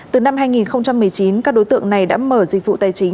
từ năm hai nghìn một mươi chín các đối tượng này đã mở dịch vụ tài chính